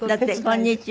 こんにちは。